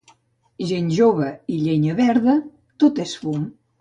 Gent jove i llenya verda, tot és fum.